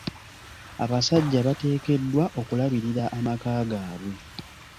Abasajja bateekeddwa okulabirira amaka gaabwe.